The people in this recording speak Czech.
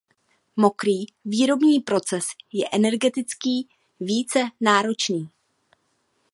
Mokrý výrobní proces je energetický více náročný.